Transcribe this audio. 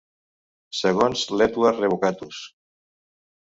Segons l"Edward, Revocatus.